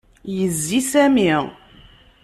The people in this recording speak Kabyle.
Yezzi Sami.